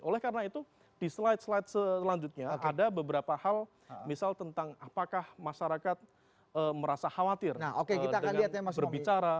oleh karena itu di slide slide selanjutnya ada beberapa hal misal tentang apakah masyarakat merasa khawatir dengan berbicara